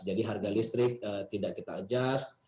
jadi harga listrik tidak kita adjust